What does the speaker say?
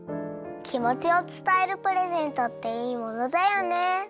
きもちをつたえるプレゼントっていいものだよね。